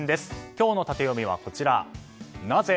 今日のタテヨミはなぜ？